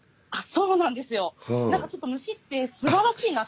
そうなんですよ。